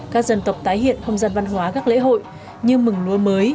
các dân tộc tái hiện không gian văn hóa các lễ hội như mừng lúa mới